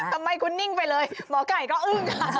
ทำไมคุณนิ่งไปเลยหมอไก่ก็อึ้งค่ะ